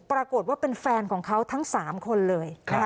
ปรากฏว่าเป็นแฟนของเขาทั้ง๓คนเลย